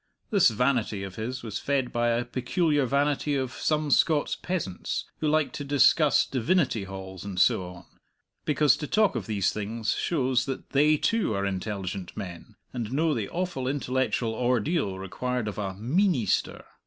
This vanity of his was fed by a peculiar vanity of some Scots peasants, who like to discuss Divinity Halls, and so on, because to talk of these things shows that they too are intelligent men, and know the awful intellectual ordeal required of a "Meenister."